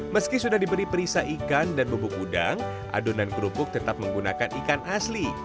meski sudah diberi perisa ikan dan bubuk udang adonan kerupuk tetap menggunakan ikan asli